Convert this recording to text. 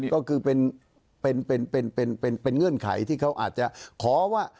ก็คือเป็นเงื่อนไขที่เขาอาจจะขอว่า